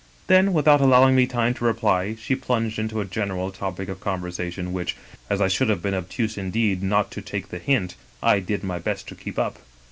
Then, with out allowing me time to reply, she plunged into a general topic of conversation which, as I should have been obtuse indeed not to take the hint, I did my best to keep up.